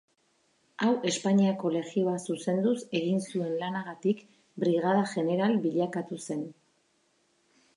Hau, Espainiako Legioa zuzenduz egin zuen lanagatik brigada-jeneral bilakatu zen.